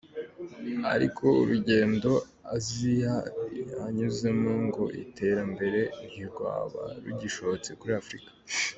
Ariko urugendo Aziya yanyuzemo ngo itere imbere ntirwaba rugishobotse kuri Afurika.